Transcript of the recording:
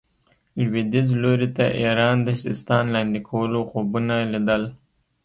لوېدیځ لوري ته ایران د سیستان لاندې کولو خوبونه لیدل.